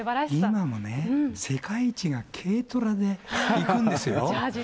今もね、世界一が軽トラで行くんですよ。